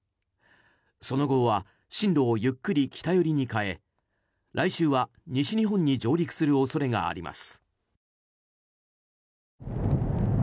その後は、進路をゆっくり北寄りに変え来週は西日本に上陸する恐れがあります。